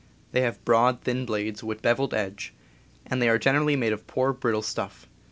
They have broad, thin blades with beveled edge, and they are generally made of poor, brittle stuff.